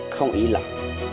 không ý làm